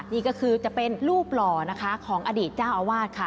นี่ก็คือจะเป็นรูปหล่อนะคะของอดีตเจ้าอาวาสค่ะ